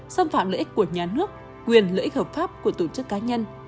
xâm phạm lợi ích của nhà nước quyền lợi ích hợp pháp của tổ chức cá nhân